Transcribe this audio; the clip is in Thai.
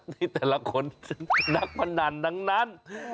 นี่แต่ละคนนักพนันทั้งนั้น